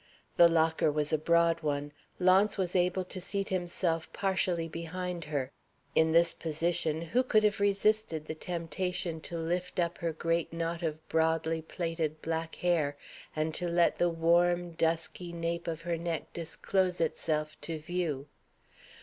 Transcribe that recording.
The locker was a broad one; Launce was able to seat himself partially behind her. In this position who could have resisted the temptation to lift up her great knot of broadly plaited black hair, and to let the warm, dusky nape of her neck disclose itself to view?